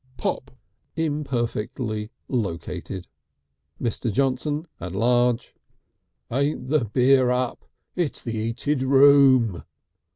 Pop! imperfectly located. Mr. Johnson at large: "Ain't the beer up! It's the 'eated room."